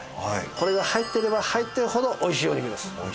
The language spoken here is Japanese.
これが入ってれば入ってるほどおいしいお肉です。